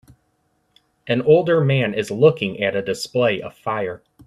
an older man is looking at a display of fire